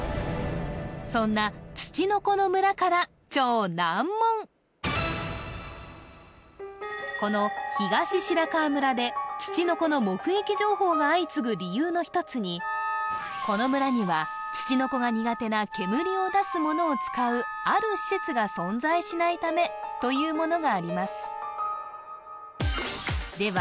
そんなつちのこの村からこの東白川村でつちのこの目撃情報が相次ぐ理由の１つにこの村にはつちのこが苦手な煙を出すものを使うある施設が存在しないためというものがありますでは